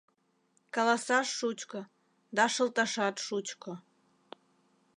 Каласаш шучко да шылташат шучко...